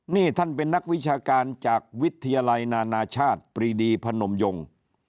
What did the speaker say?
นี่ท่านเป็นนักวิชาการจากวิทยาลัยนานาชาติปรีดีพนมยง